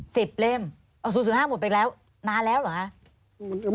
สิบเล่มอ๋อ๐๐๕หมดไปแล้วนานแล้วหรือคะ